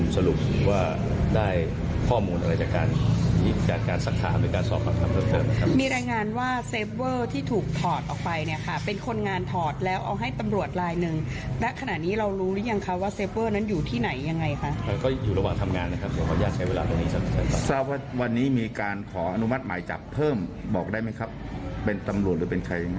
สาวว่าวันนี้มีการขออนุมัติหมายจับเพิ่มบอกได้มั้ยครับเป็นตำรวจหรือเป็นใคร